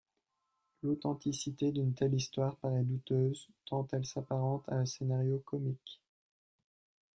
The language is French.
L'authenticité d'une telle histoire paraît douteuse, tant elle s'apparente à un scénario comique.